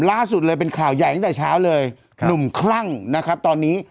ล่าสุดเลยเป็นข่าวใหญ่ตั้งแต่เช้าเลยหนุ่มคลั่งนะครับตอนนี้